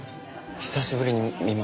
久しぶりに見ましたねそれ。